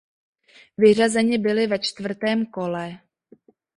Vyřazeni byli ve čtvrtém kole.